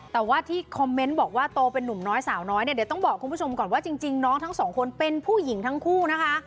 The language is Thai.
แต่ว่าที่คอมเมนต์บอกว่าโตเป็นนุ่มน้อยสาวน้อยเนี่ยเดี๋ยวต้องบอกคุณผู้ชมก่อนว่าจริงน้องทั้งสองคนเป็นผู้หญิงทั้งคู่นะคะ